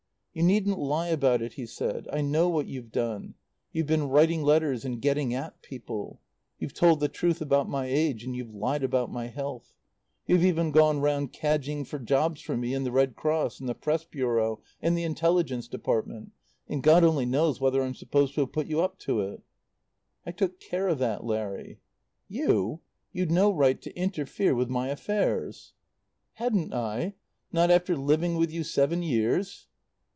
"You needn't lie about it," he said. "I know what you've done. You've been writing letters and getting at people. You've told the truth about my age and you've lied about my health. You've even gone round cadging for jobs for me in the Red Cross and the Press Bureau and the Intelligence Department, and God only knows whether I'm supposed to have put you up to it." "I took care of that, Larry." "You? You'd no right to interfere with my affairs." "Hadn't I? Not after living with you seven years?"